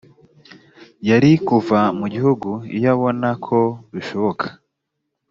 yari kuva mu gihugu iyo abona ko bishoboka